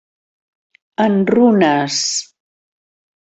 En runes.